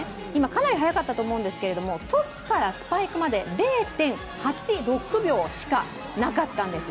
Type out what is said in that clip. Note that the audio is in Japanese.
かなり速かったと思うんですけど、トスからスパイクまで０．８６秒しかなかったんです。